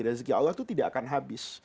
rezeki allah itu tidak akan habis